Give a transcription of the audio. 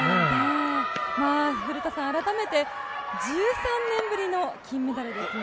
古田さん、改めて１３年ぶりの金メダルですね。